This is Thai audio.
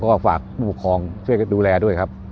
ก็ฝากผู้ปกครองช่วยกันดูแลด้วยครับ